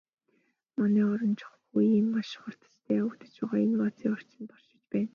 Манай орон чухамхүү ийм маш хурдацтай явагдаж байгаа инновацийн орчинд оршиж байна.